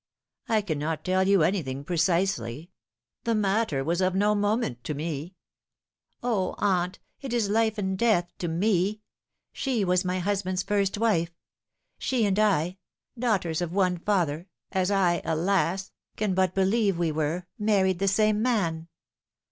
I cannot tell you anything precisely. The matter was of no moment to me." " O aunt, it is life and death to me. She was my husband's first wife. She and I daughters of one father as I, alas ! can but believe we were married the same man."